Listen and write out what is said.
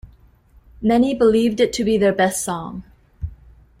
Many believed it to be their best song.